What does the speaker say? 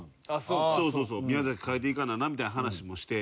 そうそう宮崎変えていかななみたいな話もして。